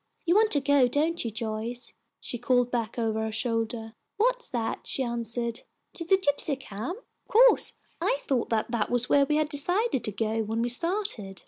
You want to go, don't you, Joyce?" she called back over her shoulder. "What's that?" she answered. "To the gypsy camp? Of course. I thought that that was where we had decided to go when we started."